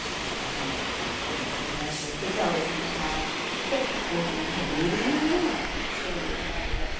こんなことやって」みたいな話をして「じゃあおやすみなさい」って言っておうちに入るというそういう感じで。